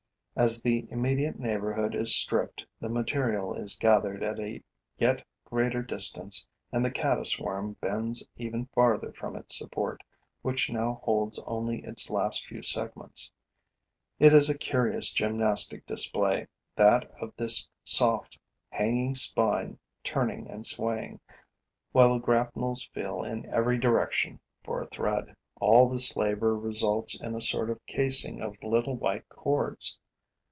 As the immediate neighborhood is stripped, the material is gathered at a yet greater distance and the caddis worm bends even farther from its support, which now holds only its last few segments. It is a curious gymnastic display, that of this soft, hanging spine turning and swaying, while the grapnels feel in every direction for a thread. All this labor results in a sort of casing of little white cords.